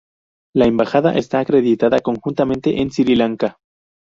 La embajada está acreditada conjuntamente en Sri Lanka.